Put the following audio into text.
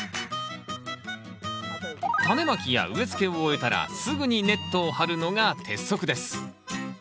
タネまきや植えつけを終えたらすぐにネットを張るのが鉄則です。